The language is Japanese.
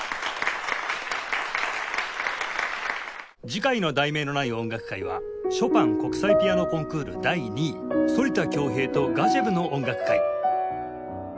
次回の『題名のない音楽会』はショパン国際ピアノコンクール第２位反田恭平とガジェヴの音楽会